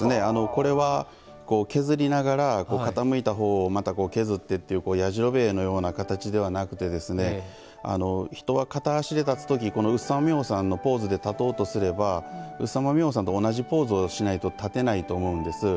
これは削りながら傾いたほうをまた削ってというやじろべえのような形ではなくて人は片足で立つ時この烏枢沙摩明王様のように立とうとすれば烏枢沙摩明王さんと同じポーズでないと立てないと思うんです。